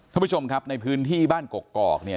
ท่านผู้ชมครับในพื้นที่บ้านกกอกเนี่ย